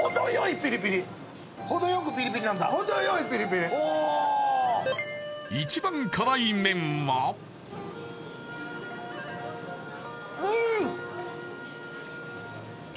ピリピリ一番辛い麺はうん！